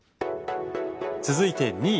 続いて２位。